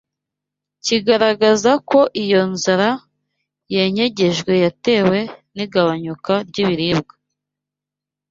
kigaragaza ko iyo nzara yenyegejwe yatewe n’igabanyuka ry’ibiribwa